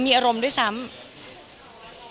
ขอเริ่มขออนุญาต